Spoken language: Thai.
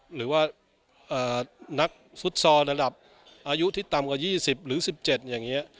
หรือว่านักฟุตซอลระดับอายุที่ต่ำกว่า๒๐หรือ๑๗อย่างนี้